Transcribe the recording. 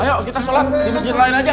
ayo kita sholat di masjid lain aja